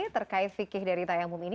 terkait fikih dari tayangmum ini